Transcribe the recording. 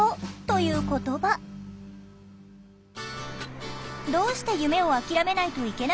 どうして夢を諦めないといけなかったのか。